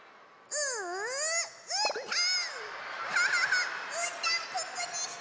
・うーたん！